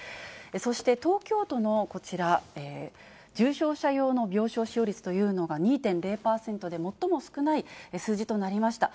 そして東京都のこちら、重症者用の病床使用率というのが２．０％で最も少ない数字となりました。